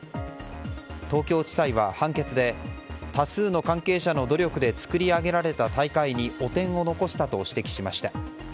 東京地裁は判決で多数の関係者の努力で作り上げられた大会に汚点を残したと指摘しました。